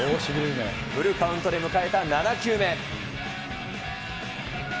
フルカウントで迎えた７球目。